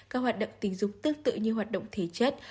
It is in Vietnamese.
các hoạt động tình dục tương tự như hoạt động thể chất